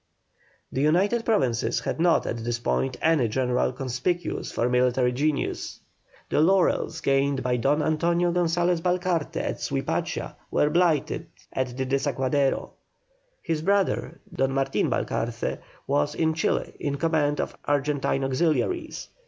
The United Provinces had not at this time any general conspicuous for military genius. The laurels gained by Don Antonio Gonsalez Balcarce at Suipacha were blighted at the Desaguadero. His brother, Don Martin Balcarce, was in Chili in command of Argentine auxiliaries.